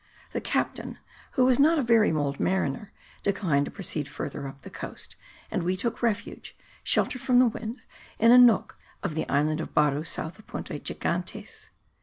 The captain, who was not a very bold mariner, declined to proceed further up the coast and we took refuge, sheltered from the wind, in a nook of the island of Baru south of Punta Gigantes.